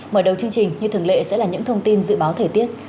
mở đầu chương trình như thường lệ sẽ là những thông tin dự báo thời tiết